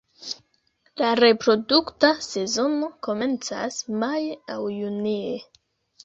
La reprodukta sezono komencas maje aŭ junie.